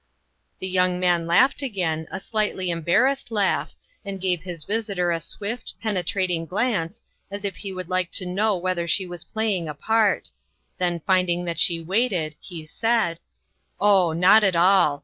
The young man laughed again, a slightly embarrassed laugh, and gave his visitor a swift, penetrating glance, as if he would like to know whether she was playing a part ; then finding that she waited, he said :" Oh, not at all